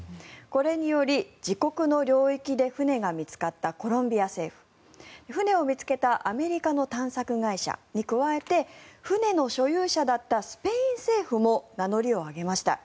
これにより自国の領域で船が見つかったコロンビア政府船を見つけたアメリカの探索会社に加えて船の所有者だったスペイン政府も名乗りを上げました。